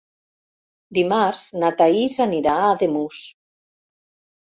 Dimarts na Thaís anirà a Ademús.